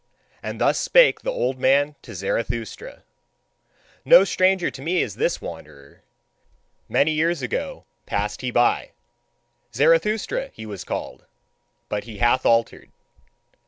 And thus spake the old man to Zarathustra: "No stranger to me is this wanderer: many years ago passed he by. Zarathustra he was called; but he hath altered.